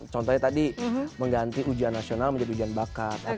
contohnya tadi mengganti ujian nasional menjadi ujian bakat